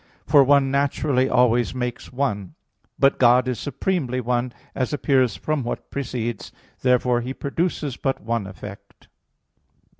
For one naturally always makes one. But God is supremely one, as appears from what precedes (Q. 11, A. 4). Therefore He produces but one effect.